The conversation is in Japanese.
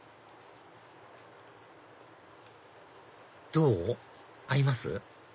どう？合います？